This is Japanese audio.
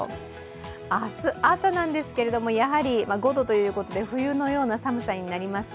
明日朝なんですがやはり５度ということで冬のような寒さになります。